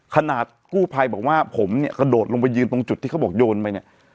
ขนาดกู้ภัยบอกว่าผมเนี่ยกระโดดลงไปยืนตรงจุดที่เขาบอกโยนไปเนี่ย